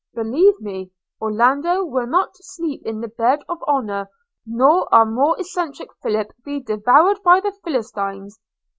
Believe me, Orlando will not sleep in the bed of honour, nor our more eccentric Philip be devoured by the Philistines.